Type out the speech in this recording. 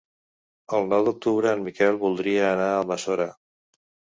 El nou d'octubre en Miquel voldria anar a Almassora.